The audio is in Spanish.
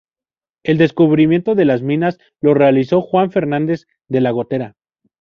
El descubrimiento de las minas lo realizó Juan Fernández de la Gotera.